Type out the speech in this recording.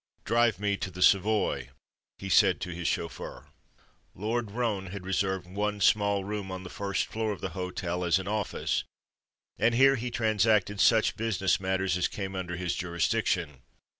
"Drive me to the Savoy," he said to his chauffeur. Lord Roane had reserved one small room on the first floor of the hotel as an office, and here he transacted such business matters as came under his jurisdiction.